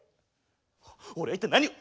俺は一体何を。